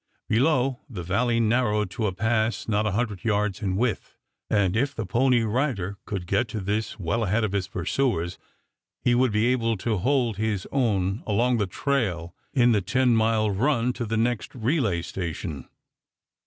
Below, the valley narrowed to a pass not a hundred yards in width, and if the pony rider could get to this well ahead of his pursuers he would be able to hold his own along the trail in the 10 mile run to the next relay station.